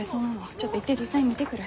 ちょっと行って実際見てくる。